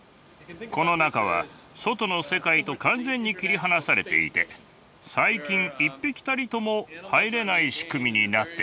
この中は外の世界と完全に切り離されていて細菌一匹たりとも入れない仕組みになっています。